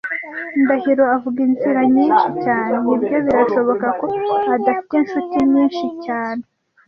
Ndahiro avuga inzira nyinshi cyane. Nibyo birashoboka ko adafite inshuti nyinshi cyane.